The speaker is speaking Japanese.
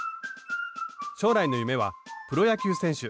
将来の夢はプロ野球選手。